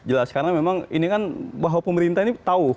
jelas karena memang ini kan bahwa pemerintah ini tahu